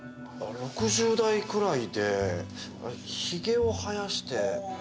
６０代くらいでヒゲを生やして。